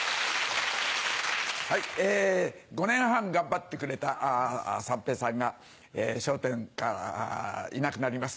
え５年半頑張ってくれた三平さんが『笑点』からいなくなります。